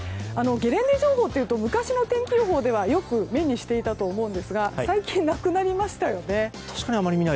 ゲレンデ情報というと昔の天気予報ではよく目にしていたと思うんですが最近なくなりましたよね。